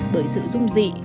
bởi sự rung dị